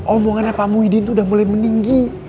omongannya pamu hidin udah mulai meninggi